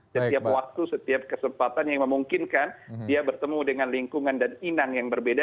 dan setiap waktu setiap kesempatan yang memungkinkan dia bertemu dengan lingkungan dan inang yang berbeda